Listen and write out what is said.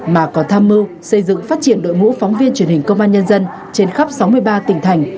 mà còn tham mưu xây dựng phát triển đội ngũ phóng viên truyền hình công an nhân dân trên khắp sáu mươi ba tỉnh thành